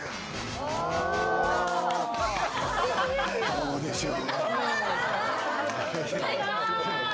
どうでしょう。